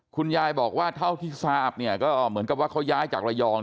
คุณยายบอกว่าเท่าที่ทราบเนี่ยก็เหมือนกับว่าเขาย้ายจากระยอง